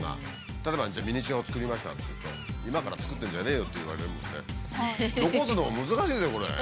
例えば「ミニチュアを作りました」って言うと「今から作ってんじゃねえよ」と言われるもんね。残すのも難しいねこれ。